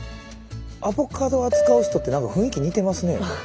アボカド扱う人って何か雰囲気似てますね。